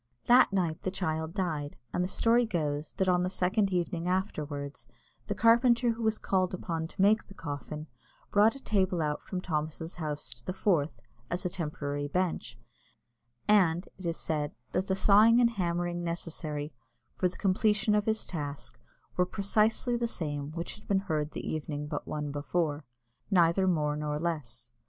That night the child died, and the story goes that on the second evening afterwards, the carpenter who was called upon to make the coffin brought a table out from Thomas's house to the Forth, as a temporary bench; and, it is said, that the sawing and hammering necessary for the completion of his task were precisely the same which had been heard the evening but one before neither more nor less.